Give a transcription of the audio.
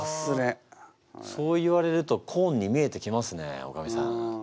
そう言われるとコーンに見えてきますねおかみさん。